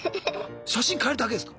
写真替えるだけですか？